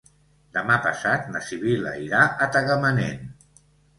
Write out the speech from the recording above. Demà passat na Sibil·la irà a Tagamanent.